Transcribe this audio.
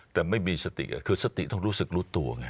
แต่ไม่มีสติคือสติต้องรู้สึกรู้ตัวไง